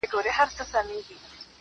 ورځم د خپل نړانده کوره ستا پوړونی راوړم~